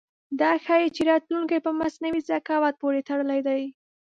دا ښيي چې راتلونکی په مصنوعي ذکاوت پورې تړلی دی.